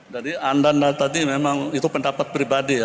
jadi anda tadi memang itu pendapat pribadi ya